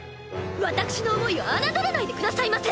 私の想いを侮らないでくださいませ。